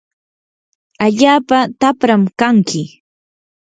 allaapa tapram kanki.